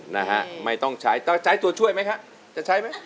นะฮะไม่ต้องใช้ต้องใช้ตัวช่วยไหมฮะจะใช้ไหม